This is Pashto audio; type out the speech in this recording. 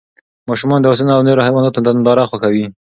ماشومان د اسونو او نورو حیواناتو ننداره خوښوي.